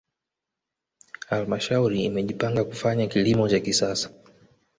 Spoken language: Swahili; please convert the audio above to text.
halmashauri imejipanga kufanya kilimo cha kisasa